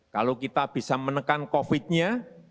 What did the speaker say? kalau kita bisa menekan covid nya